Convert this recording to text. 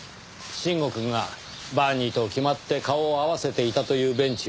臣吾くんがバーニーと決まって顔を合わせていたというベンチは。